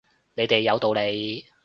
你哋有道理